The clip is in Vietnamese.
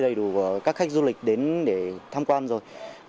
đầy đủ các khách du lịch đến để tham quan rồi